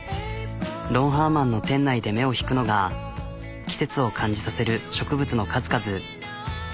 ロンハーマンの店内で目を引くのが季節を感じさせる植物の数々。